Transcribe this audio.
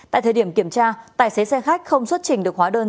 tại thời điểm kiểm tra tài xế xe khách không xuất trình được hóa đơn